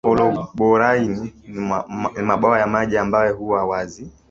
Oloiborraine ni Mabwawa ya maji ambayo huwa wazi